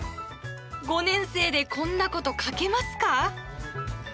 ５年生でこんなこと書けますか？